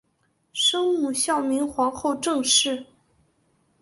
生母孝明皇后郑氏。